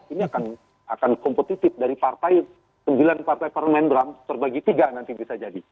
ini akan kompetitif dari partai sembilan partai parlemen bram terbagi tiga nanti bisa jadi